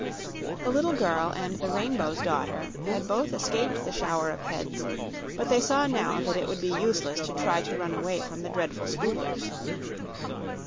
The little girl and the Rainbow's Daughter had both escaped the shower of heads, but they saw now that it would be useless to try to run away from the dreadful Scoodlers.